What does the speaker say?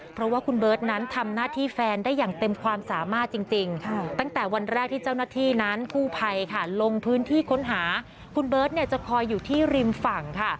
เพราะว่าคุณเบิร์ตนั้นทำหน้าที่แฟนได้อย่างเต็มความสามารถจริง